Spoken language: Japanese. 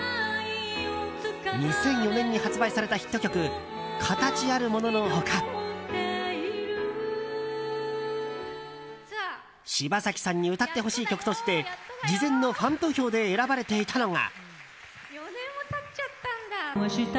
２００４年に発売されたヒット曲「かたちあるもの」の他柴咲さんに歌ってほしい曲として事前のファン投票で選ばれていたのが。